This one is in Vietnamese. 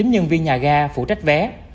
một trăm bốn mươi chín nhân viên nhà ga phụ trách vé